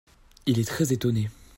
Il est très étonné.